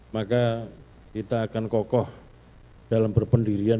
maka kita akan kokoh dalam berpendidirian